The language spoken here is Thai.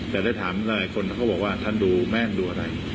แต่ถ้าทำอะไรคนเขาบอกว่าท่านดูแม่นดูอะไร